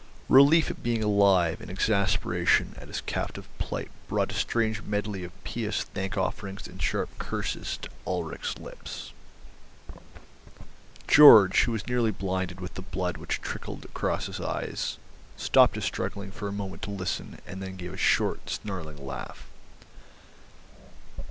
Relief at being alive and exasperation at his captive plight brought a strange medley of pious thank offerings and sharp curses to Ulrich's lips. Georg, who was nearly blinded with the blood which trickled across his eyes, stopped his struggling for a moment to listen, and then gave a short, snarling laugh.